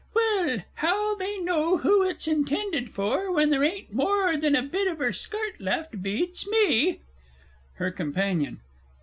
Well, how they know who it's intended for, when there ain't more than a bit of her skirt left, beats me! HER COMPANION.